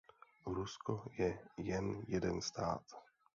Rusko je jen jeden stát.